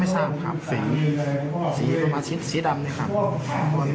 ไม่ทราบครับสีประมาณสีดำนะครับ